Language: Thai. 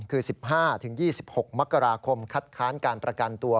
คือ๑๕๒๖มกราคมคัดค้านการประกันตัว